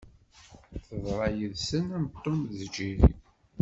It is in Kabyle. Teḍra yid-sen am Tom d Jerry